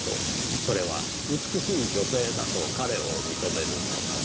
それは美しい女性だと彼を認める事。